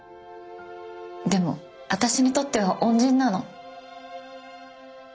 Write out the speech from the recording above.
でも私にとっては恩人なの。